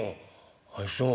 「ああそう。